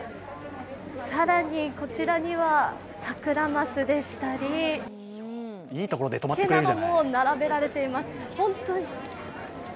更にこちらにはサクラマスでしたり、並べられています。